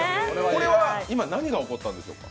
これは今、何が起こったんでしょうか？